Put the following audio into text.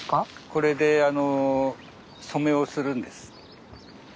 これで染めをするんです。